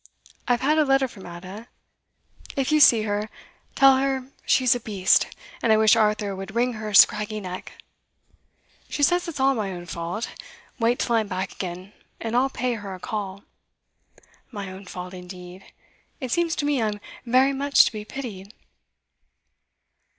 I've had a letter from Ada. If you see her, tell her she's a beast, and I wish Arthur would wring her scraggy neck. She says it's all my own fault; wait till I'm back again, and I'll pay her a call. My own fault indeed! It seems to me I'm very much to be pitied.